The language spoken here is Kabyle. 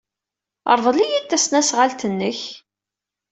Rḍel-iyi-d tasnasɣalt-nnek.